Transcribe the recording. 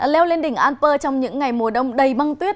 leo lên đỉnh alper trong những ngày mùa đông đầy băng tuyết